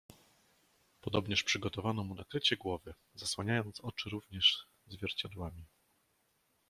"Podobnież przygotowano mu nakrycie głowy, zasłaniając oczy również zwierciadłami."